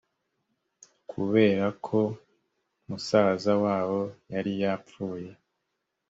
kubera ko musaza wabo yari yapfuye